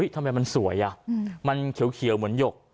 ทำไมมันสวยมันเขียวเหมือนหยก